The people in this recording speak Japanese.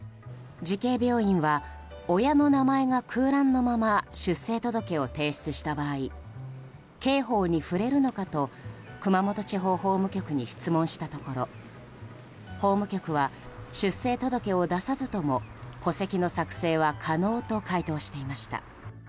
慈恵病院は親の名前が空欄のまま出生届を提出した場合刑法に触れるのかと熊本地方法務局に質問したところ法務局は出生届を出さずとも戸籍の作成は可能と回答していました。